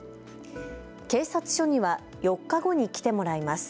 警察署には４日後に来てもらいます。